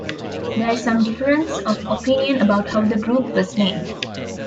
There is some difference of opinion about how the group was named.